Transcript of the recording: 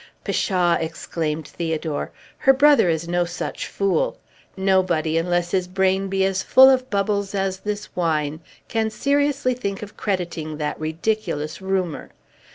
"Pshaw!" exclaimed Theodore; "her brother is no such fool! Nobody, unless his brain be as full of bubbles as this wine, can seriously think of crediting that ridiculous rumor.